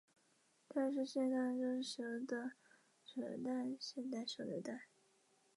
第二次世界大战中使用的手榴弹现代手榴弹